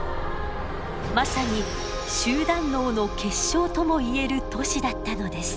まさに集団脳の結晶とも言える都市だったのです。